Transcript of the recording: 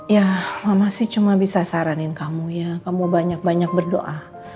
ya mama sih cuma bisa saranin kamu ya kamu banyak banyak berdoa